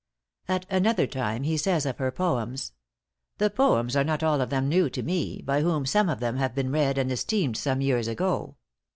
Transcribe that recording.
At another time he says of her Poems: "The Poems are not all of them new to me, by whom some of them have been read and esteemed some years ago.